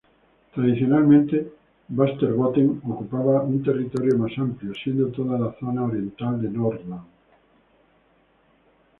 Tradicionalmente Västerbotten ocupaba un territorio más amplio, siendo toda la zona oriental de Norrland.